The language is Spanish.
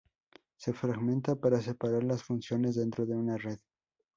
Se fragmenta para separar las funciones dentro de una red.